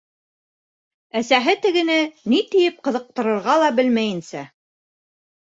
Әсәһе тегене ни тиеп ҡыҙыҡтырырға ла белмәйенсә: